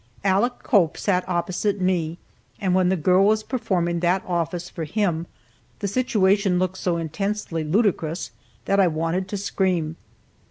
Aleck Cope sat opposite me, and when the girl was performing that office for him, the situation looked so intensely ludicrous that I wanted to scream.